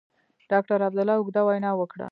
ډاکټر عبدالله اوږده وینا وکړه.